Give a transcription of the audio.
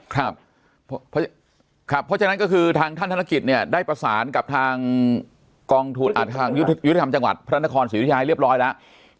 เพราะฉะนั้นก็คือทางท่านธนกิจเนี่ยได้ประสานกับทางกองทุนทางยุติธรรมจังหวัดพระนครศรีอุทัยเรียบร้อยแล้ว